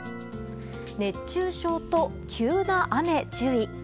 熱中症と、急な雨注意。